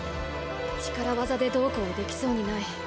力技でどうこうできそうにない。